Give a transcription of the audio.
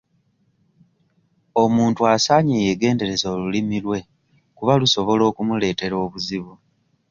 Omuntu asaanye yeegendereze olulimi lwe kuba lusobola okumuleetera obuzibu.